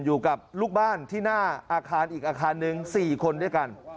อยู่กับลูกบ้านที่หน้าอาคารอีกอาคารหนึ่ง๔คนด้วยกัน